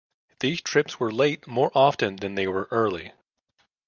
These trips were late more often than they were early.